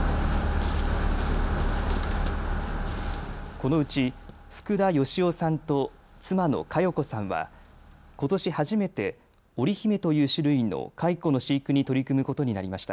このうち福田芳男さんと妻の佳世子さんはことし初めて、おりひめという種類の蚕の飼育に取り組むことになりました。